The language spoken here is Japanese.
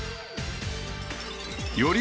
より